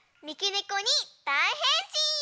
ねこにだいへんしん！